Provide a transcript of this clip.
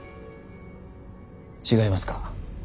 違いますか？